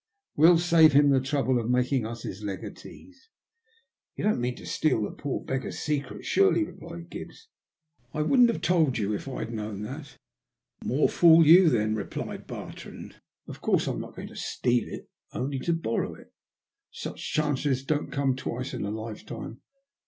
" We'll save him the trouble of making us his legatees." '' Tou don't mean to steal the poor beggar's secret, surely ?" replied Gibbs. " I wouldn't have told you if I'd thought that." 78 THE LUST OF HATE. *' More fool you then/' said Bartrand. '' Of coarse I'm not going to iteal it, only to borrow it. Such chances don't come twice in a lifetime.